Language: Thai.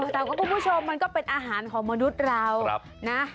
แต่ว่าคุณผู้ชมมันก็เป็นอาหารของมนุษย์เรานะ